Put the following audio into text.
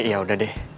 iya udah deh